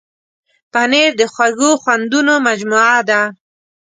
پنېر د خوږو خوندونو مجموعه ده.